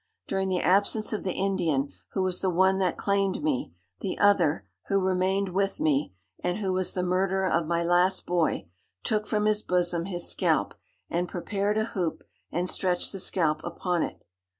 During the absence of the Indian, who was the one that claimed me, the other, who remained with me, and who was the murderer of my last boy, took from his bosom his scalp, and prepared a hoop, and stretched the scalp upon it.